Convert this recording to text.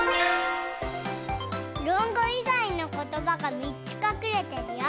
「ろんご」いがいのことばが３つかくれてるよ。